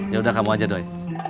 yaudah kamu aja doi